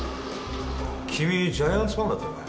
君ジャイアンツファンだったよね？